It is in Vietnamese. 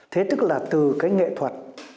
thế tức là từ cái nghệ thuật